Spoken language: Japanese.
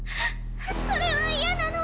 それは嫌なの！